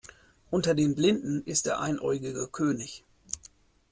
Unter den Blinden ist der Einäugige König.